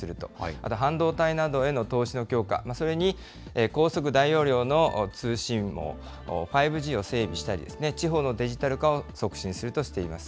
あと半導体などへの投資の強化、それに高速大容量の通信網、５Ｇを整備したり、地方のデジタル化を促進するとしています。